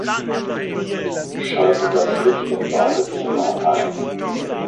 Schalte das Licht im Badezimmer ein.